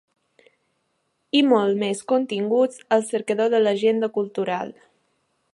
I molts més continguts al cercador de l'Agenda Cultural.